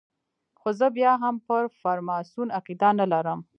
خو زه بیا هم پر فرماسون عقیده نه لرم.